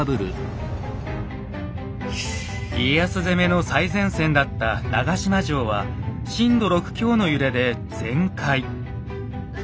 家康攻めの最前線だった長島城は震度６強の揺れで全壊。